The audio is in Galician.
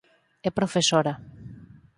É profesora.